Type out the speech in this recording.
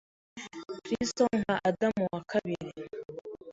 Kristo nka Adamu wa kabiri